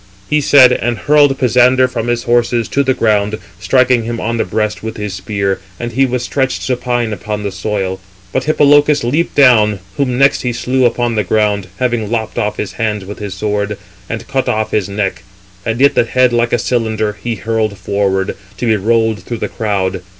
He said, and hurled Pisander from his horses to the ground, striking him on the breast with his spear; and he was stretched supine upon the soil. But Hippolochus leaped down, whom next he slew upon the ground, having lopped off his hands with his sword, and cut off his neck; and it (the head) like a cylinder, he hurled forward, to be rolled through the crowd.